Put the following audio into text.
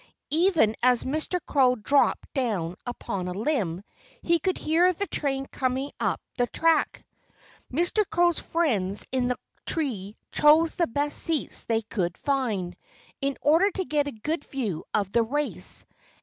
Even as Mr. Crow dropped down upon a limb, he could hear the train coming up the track. Mr. Crow's friends in the tree chose the best seats they could find, in order to get a good view of the race.